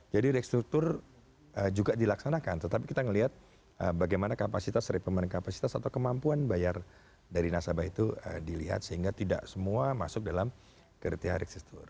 jadi restruktur juga dilaksanakan tetapi kita melihat bagaimana kapasitas reperman kapasitas atau kemampuan bayar dari nasabah itu dilihat sehingga tidak semua masuk dalam kertiah restruktur